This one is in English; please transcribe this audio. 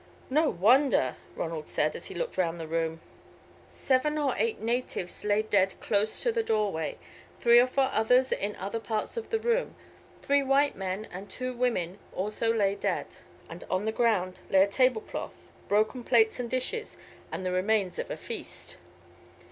"No wonder!" Ronald said, as he looked round the room. Seven or eight natives lay dead close to the doorway, three or four others in other parts of the room, three white men and two women also lay dead; and on the ground lay a table cloth, broken plates and dishes, and the remains of a feast.